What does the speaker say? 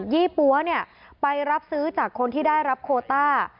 ี่ปั๊วไปรับซื้อจากคนที่ได้รับโคต้า